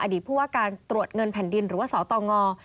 ผู้ว่าการตรวจเงินแผ่นดินหรือว่าสตง